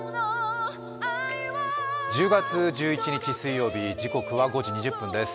１０月１１日水曜日、時刻は５時２０分です。